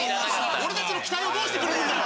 俺たちの期待をどうしてくれるんだよ！